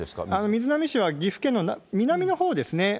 瑞浪市は岐阜県の南のほうですね。